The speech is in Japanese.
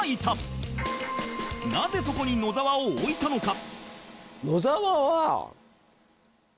なぜそこに野沢を置いたのか？